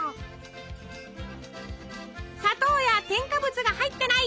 砂糖や添加物が入ってない